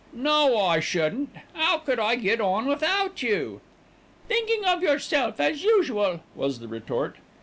"No, I shouldn't. 'Ow could I get on without you?" "Thinking of yourself as usual," was the retort.